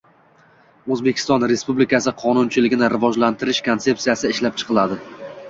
“O‘zbekiston Respublikasi qonunchiligini rivojlantirish konsepsiyasi” ishlab chiqiladi.